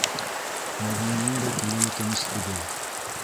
Мәҙинәнең дә күңеле тыныс түгел.